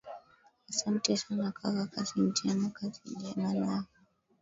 asante sana kaka kazi njema kazi njema nawe